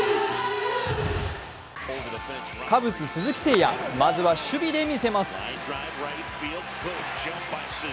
カブス・鈴木誠也まずは守備で見せます。